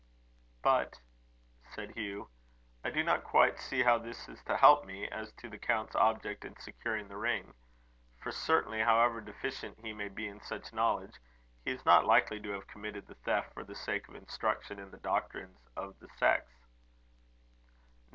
"But," said Hugh, "I do not quite see how this is to help me, as to the count's object in securing the ring; for certainly, however deficient he may be in such knowledge, he is not likely to have committed the theft for the sake of instruction in the doctrines of the sects." "No.